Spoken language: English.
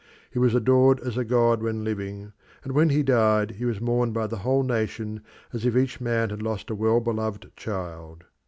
He was adored as a god when living, and when he died he was mourned by the whole nation as if each man had lost a well beloved child.